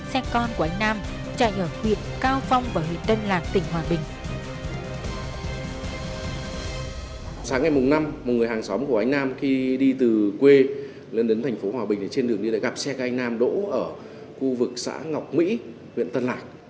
trong sáng ngày mùng năm một người hàng xóm của anh nam khi đi từ quê lên đến thành phố hòa bình trên đường đi gặp xe của anh nam đỗ ở khu vực xã ngọc mỹ huyện tân lạc